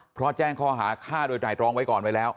เพราะแจ้งข้อหาฆ่าโดยไตรรองไว้ก่อนไว้แล้ว